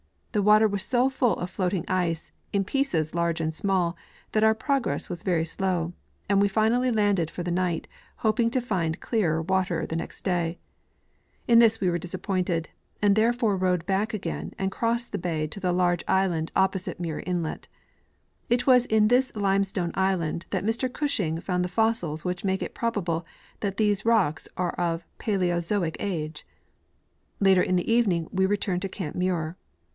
The Avater was so full of floating ice, in pieces large and small, that our progress Avas very sIoav, and Ave finally landed for the night, hoping to find clearer Avater the next day* In this Ave were disappointed, and therefore roAved back again and crossed the bay to the large island opposite Muir inlet. It Avas in this limestone island that Mr Gushing found the fossils Avhich make it probable that these rocks are of Paleozoic age. Later in the evening Ave returned to camp Muir.